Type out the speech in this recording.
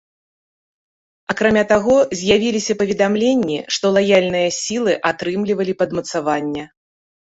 Акрамя таго, з'явіліся паведамленні, што лаяльныя сілы атрымлівалі падмацавання.